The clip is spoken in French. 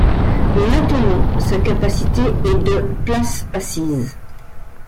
Maintenant sa capacité est de places assises.